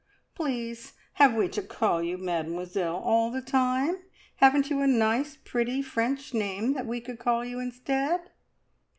"Please, have we to call you `Mademoiselle' all the time? Haven't you a nice, pretty French name that we could call you instead?"